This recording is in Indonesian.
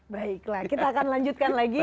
baiklah kita akan lanjutkan lagi